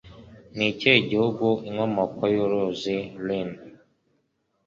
Ni ikihe gihugu Inkomoko y'Uruzi Rhine